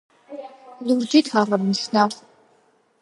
ლურჯით აღვნიშნავ.